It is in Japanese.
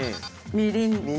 みりんと。